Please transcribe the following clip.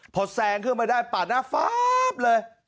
พอแซงขึ้นมาได้ปาดหน้าฟ้าบเลย